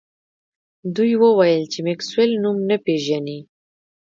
دوی وویل چې میکسویل نوم نه پیژني